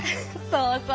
そうそう。